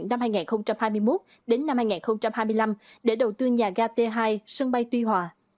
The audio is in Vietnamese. năm hai nghìn hai mươi một đến năm hai nghìn hai mươi năm để đầu tư nhà ga t hai sân bay tuy hòa